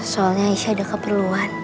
soalnya aisyah ada keperluan